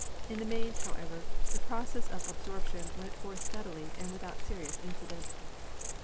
In the main, however, the process of absorption went forward steadily and without serious incident.